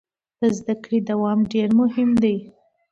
د زده کړې دوام ډیر مهم دی.